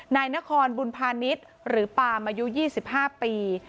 นายนครบุญพาณิชย์หรือปามอายุ๒๕ปี